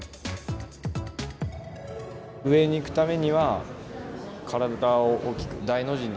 上に行くためには体を大きく大の字に。